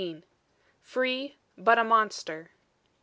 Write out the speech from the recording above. "FREE! BUT A MONSTER!"